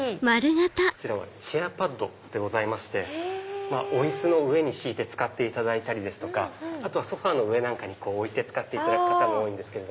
こちらはチェアパッドでございましてお椅子の上に敷いて使っていただいたりですとかソファの上なんかに置いて使っていただく方も多いです。